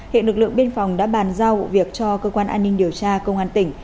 hiện lực lượng biên phòng đã bàn giao vụ việc cho cơ quan an ninh điều tra công an tỉnh